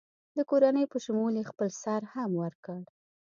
د کورنۍ په شمول یې خپل سر هم ورکړ.